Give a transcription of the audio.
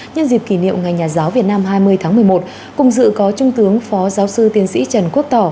nhân dịp kỷ niệm ngày nhà giáo việt nam hai mươi tháng một mươi một cùng dự có trung tướng phó giáo sư tiến sĩ trần quốc tỏ